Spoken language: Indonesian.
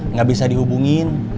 nggak bisa dihubungin